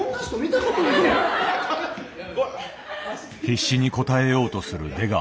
必死に応えようとする出川。